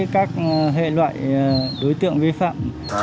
các hệ loại đối tượng vi phạm